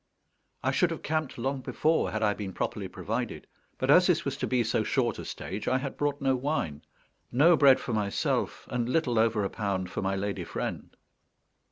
I should have camped long before had I been properly provided; but as this was to be so short a stage, I had brought no wine, no bread for myself, and little over a pound for my lady friend.